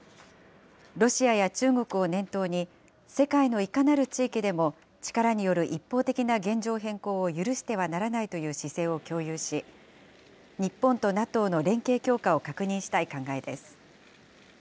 ロシアや中国を念頭に、世界のいかなる地域でも力による一方的な現状変更を許してはならないという姿勢を共有し、日本とＮＡＴＯの連携強化を確認したい考えです。